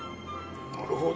なるほど。